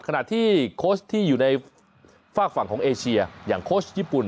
ขณะที่โค้ชที่อยู่ในฝากฝั่งของเอเชียอย่างโค้ชญี่ปุ่น